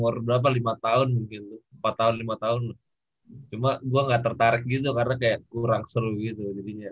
umur berapa lima tahun mungkin empat tahun lima tahun cuma gue nggak tertarik gitu karena kayak kurang seru gitu jadinya